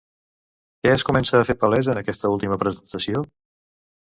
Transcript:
Què es comença a fer palès en aquesta última presentació?